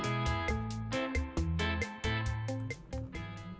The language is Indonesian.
dia menganggap roti ini seperti jenis gerrard brown yang pilih untuk mencoba